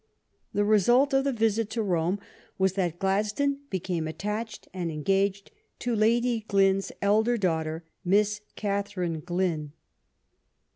The result of the visit to Rome was that Gladstone be came attached and engaged to Lady Glynne's elder daughter, Miss Catherine Glynne.